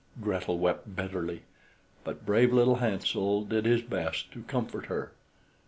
Gretel wept bitterly, but brave little Hansel did his best to comfort her.